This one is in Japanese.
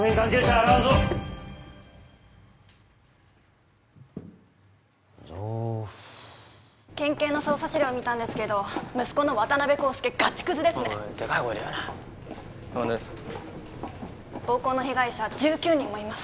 洗うぞ県警の捜査資料見たんですけど息子の渡辺康介ガチクズですねおいでかい声で言うな暴行の被害者１９人もいます